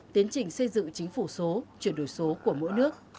tiến trình xây dựng chính phủ số chuyển đổi số của mỗi nước